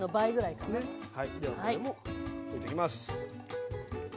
ではこれも置いてきます。